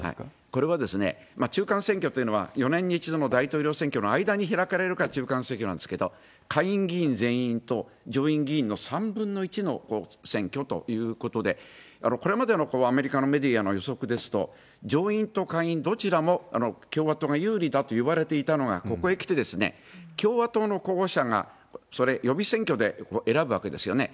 これは中間選挙というのは、４年に１度の大統領選挙の間に開かれるから中間選挙なんですけれども、下院議員全員と上院議員の３分の１の選挙ということで、これまでのアメリカのメディアの予測ですと、上院と下院、どちらも共和党が有利だといわれていたのが、ここへきて、共和党の候補者がそれを予備選挙で選ぶわけですよね。